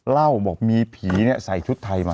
เล่าบอกมีผีใส่ชุดไทยมา